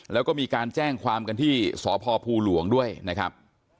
แล้วก็มีการแจ้งความกันที่สพภูหลวงด้วยนะครับ